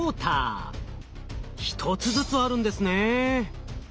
１つずつあるんですね。